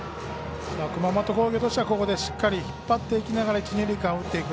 熊本工業としてはしっかり引っ張っていきながら一、二塁間を打っていく。